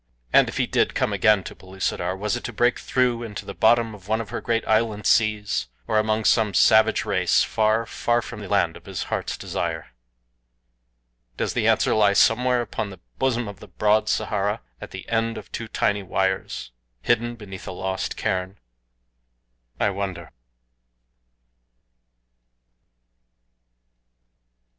And if he did come again to Pellucidar was it to break through into the bottom of one of her great island seas, or among some savage race far, far from the land of his heart's desire? Does the answer lie somewhere upon the bosom of the broad Sahara, at the end of two tiny wires, hidden beneath a lost cairn? I wonder.